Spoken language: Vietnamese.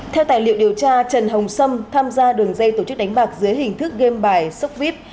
theo tài liệu điều tra trần hồng sâm tham gia đường dây tổ chức đánh bạc dưới hình thức game bài sốc vít